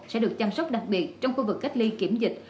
sẽ được chăm sóc đặc biệt trong khu vực cách ly kiểm dịch